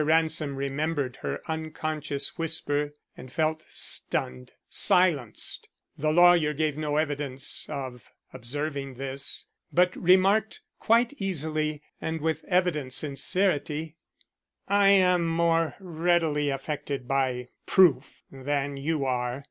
Ransom remembered her unconscious whisper and felt stunned, silenced. The lawyer gave no evidence of observing this, but remarked quite easily and with evident sincerity: "I am more readily affected by proof than you are.